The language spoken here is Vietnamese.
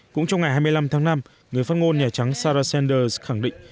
cũng trong ngày hai mươi năm tháng năm người phát ngôn nhà trắng sarah sanders khẳng định